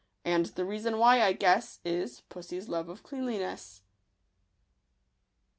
And the reason why, I guess, Is — Pussy's love of cleanliness.